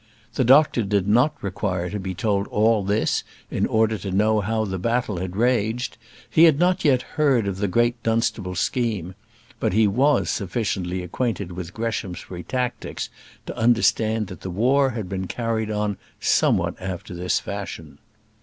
The doctor did not require to be told all this in order to know how the battle had raged. He had not yet heard of the great Dunstable scheme; but he was sufficiently acquainted with Greshamsbury tactics to understand that the war had been carried on somewhat after this fashion.